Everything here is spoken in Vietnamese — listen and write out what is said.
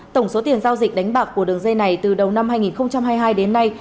tổng số tiền giao dịch đánh bạc của đường dây này từ đầu năm hai nghìn hai mươi hai đến nay